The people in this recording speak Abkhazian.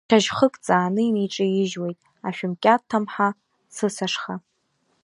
Хьажь хык ҵааны инеиҿеижьуеит, ашәымкьаҭ ҭамҳа цыцашха.